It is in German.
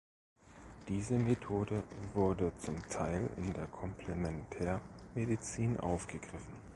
Diese Methode wurde zum Teil in der Komplementärmedizin aufgegriffen.